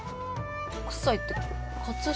北斎って飾。